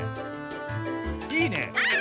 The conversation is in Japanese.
いいね。